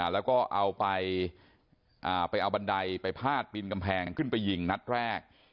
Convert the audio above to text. แล้วก็เอาไปเอาบันไดไปพาดปีนกำแพงขึ้นไปยิงนัดแรก